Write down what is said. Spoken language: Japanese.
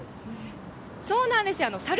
そうなんですよ。